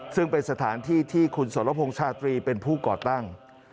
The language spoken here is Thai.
ซึ่งเป็นสถานที่ที่คุณสรพงษ์ชาตรีเป็นผู้ก่อตั้ง